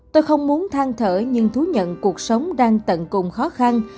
tôi không muốn thang thở nhưng thú nhận cuộc sống đang tận cùng khó khăn